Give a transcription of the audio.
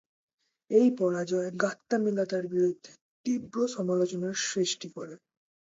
এই পরাজয় গাত্তামেলাতার বিরুদ্ধে তীব্র সমালোচনার সৃষ্টি করে।